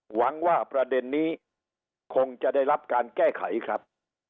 หวังว่าประเด็นนี้คงจะได้รับการแก้ไขครับ